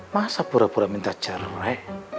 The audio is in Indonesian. masa pura pura minta jaroi